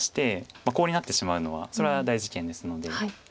コウになってしまうのはそれは大事件ですので。